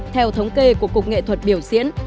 theo thống kê của cục nghệ thuật biểu diễn